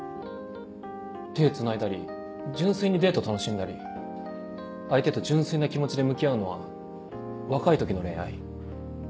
手つないだり純粋にデート楽しんだり相手と純粋な気持ちで向き合うのは若い時の恋愛？